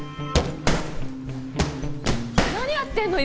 何やってんの？